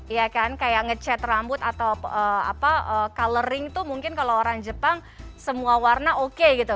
iya kan kayak ngecet rambut atau coloring tuh mungkin kalau orang jepang semua warna oke gitu